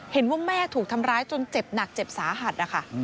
เห็นว่าแม่ถูกทำร้ายจนเจ็บหนักเจ็บสาหัสนะคะ